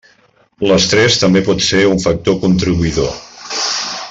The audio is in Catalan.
L'estrès també pot ser un factor contribuïdor.